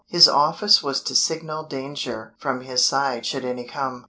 His office was to signal danger from his side should any come.